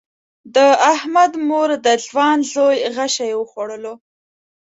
د احمد مور د ځوان زوی غشی وخوړلو.